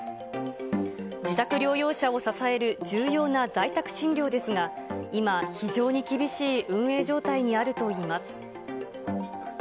自宅療養者を支える重要な在宅診療ですが、今、非常に厳しい運営状態にあるといいます。